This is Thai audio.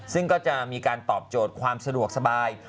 ซึ่งก็จะมีการตอบโจทย์ความสะดวกสบาย